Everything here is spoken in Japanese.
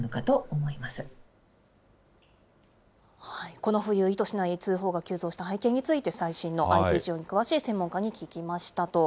この冬、意図しない通報が急増した背景について、最新のＩＴ事情に詳しい専門家に聞きましたと。